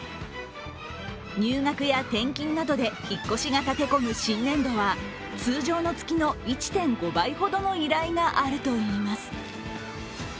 入学や転勤などで引っ越しが立て込む新年度は通常の月の１．５倍ほどの依頼があるといいます。